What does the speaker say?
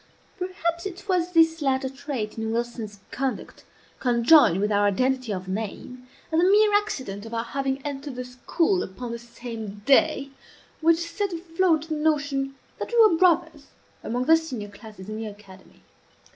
Perhaps it was this latter trait in Wilson's conduct, conjoined with our identity of name, and the mere accident of our having entered the school upon the same day, which set afloat the notion that we were brothers, among the senior classes in the academy.